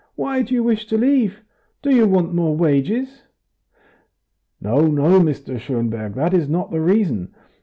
"Why do you wish to leave? Do you want more wages?" "No, no, Mr. Schonberg, that is not the reason.